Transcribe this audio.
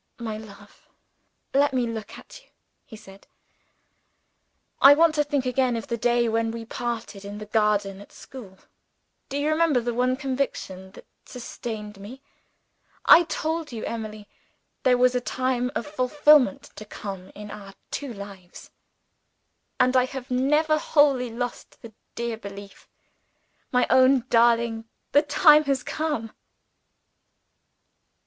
"My love, let me look at you," he said. "I want to think again of the day when we parted in the garden at school. Do you remember the one conviction that sustained me? I told you, Emily, there was a time of fulfillment to come in our two lives; and I have never wholly lost the dear belief. My own darling, the time has come!"